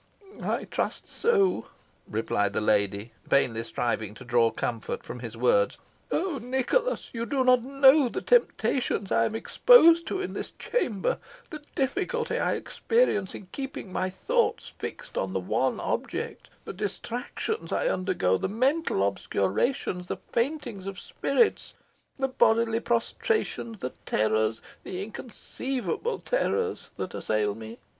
"I trust so," replied the lady, vainly striving to draw comfort from his words. "Oh, Nicholas! you do not know the temptations I am exposed to in this chamber the difficulty I experience in keeping my thoughts fixed on one object the distractions I undergo the mental obscurations the faintings of spirit the bodily prostration the terrors, the inconceivable terrors, that assail me.